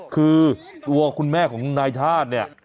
คือตัวคุณแม่ของนายชาติเนี่ย